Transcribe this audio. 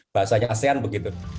bahasanya asean begitu